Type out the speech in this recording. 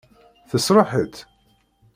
Tesṛuḥ-itt?